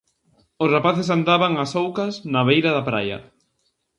Os rapaces andaban ás oucas na beira da praia.